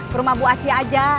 ke rumah bu aci aja